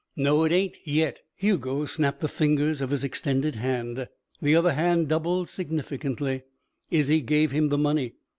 "No, it ain't, yet." Hugo snapped the fingers of his extended hand. The other hand doubled significantly. Izzie gave him the money.